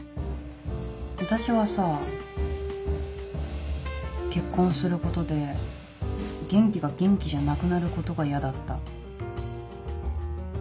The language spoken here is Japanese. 私はさぁ結婚することで元気が元気じゃなくなることが嫌だった。